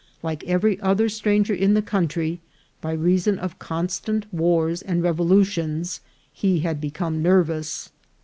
Like every other stranger in the country, by reason of constant wars and revolutions he had become nervous.